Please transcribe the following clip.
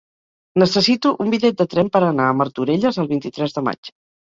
Necessito un bitllet de tren per anar a Martorelles el vint-i-tres de maig.